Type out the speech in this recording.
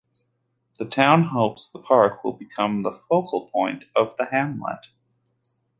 The town hopes the park will become the "focal point" of the hamlet.